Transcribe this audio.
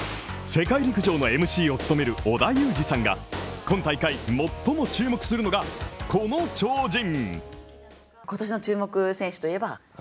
世界陸上のＭＣを務める織田裕二さんが今大会、最も注目するのがこの超人。